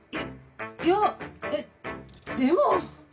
いやえっでも。